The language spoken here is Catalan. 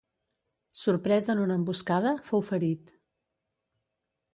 Sorprès en una emboscada, fou ferit.